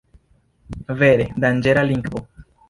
Vere, danĝera lingvo!